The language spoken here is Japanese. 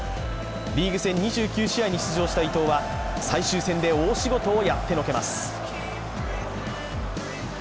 リーグ戦２９試合に出場した伊藤は最終戦で大仕事をやってのけます。